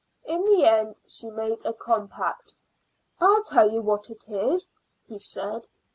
In the end she and he made a compact. "I tell you what it is," he said.